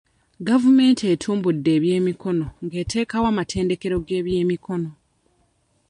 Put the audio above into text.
Gavumenti etumbudde eby'emikono ng'eteekawo amatendekero g'ebyemikono.